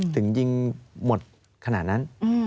ถึงยิงหมดขนาดนั้น